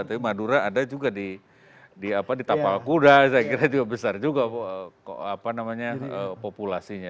tapi madura ada juga di tapal kuda saya kira juga besar juga populasinya